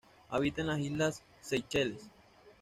Habita en las islas Seychelles.